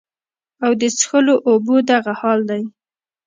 او د څښلو اوبو دغه حال دے